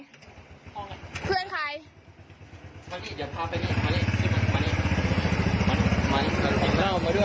เดี๋ยวมึงเจอตำรวจใต้ทะเบียนคุณจน